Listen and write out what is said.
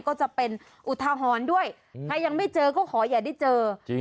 ก็จะเป็นอุทาหรณ์ด้วยถ้ายังไม่เจอก็ขออย่าได้เจอจริง